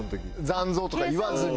残像とか言わずに？